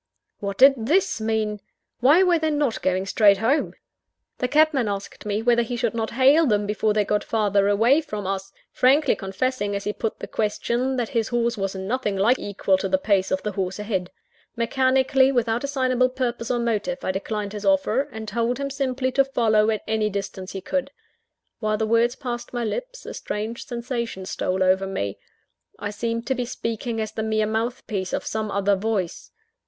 What did this mean? Why were they not going straight home? The cabman asked me whether he should not hail them before they got farther away from us; frankly confessing, as he put the question, that his horse was nothing like equal to the pace of the horse ahead. Mechanically, without assignable purpose or motive, I declined his offer, and told him simply to follow at any distance he could. While the words passed my lips, a strange sensation stole over me: I seemed to be speaking as the mere mouthpiece of some other voice.